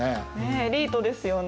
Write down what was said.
エリートですよね。